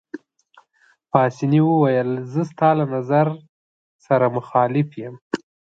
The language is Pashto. پاسیني وویل: زه ستا له نظر سره مخالف یم.